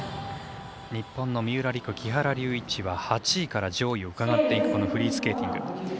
日本の三浦璃来、木原龍一は８位から上位をうかがっていくこのフリースケーティング。